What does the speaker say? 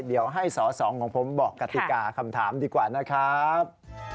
เดี๋ยวให้สอสองของผมบอกกติกาคำถามดีกว่านะครับ